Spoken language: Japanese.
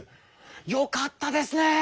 よかったですね！